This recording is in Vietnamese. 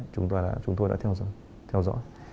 chúng tôi đã theo dõi